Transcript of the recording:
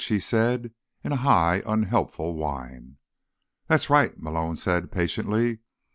she said in a high, unhelpful whine. "That's right," Malone said patiently.